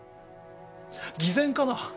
偽善かな？